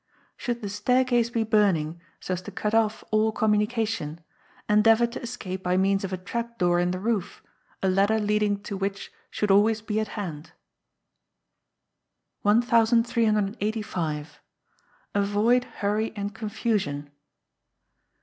Should the Staircase be burning, so as to cut off all communication, endeavour to escape by means of a trap door in the roof, a ladder leading to which should always be at hand. 1385. Avoid Hurry and Confusion.